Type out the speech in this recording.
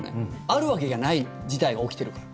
あるわけがない事態が起きてるから。